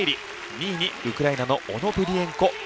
２位にウクライナのオノプリエンコ。